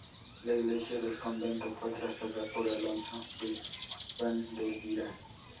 La iglesia del convento fue trazada por Alonso de Vandelvira.